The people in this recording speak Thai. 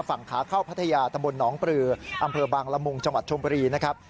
ฝั่งขาเข้าพัทยาตนปรืออำเภอบางละมุงจชมนะครับ